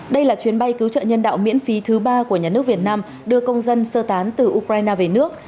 đây là chuyến bay cứu trợ nhân đạo miễn phí thứ ba của nhà nước việt nam đưa công dân sơ tán từ ukraine về nước